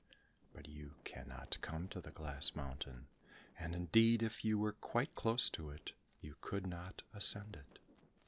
But you cannot come to the glass mountain, and indeed if you were quite close to it you could not ascend it."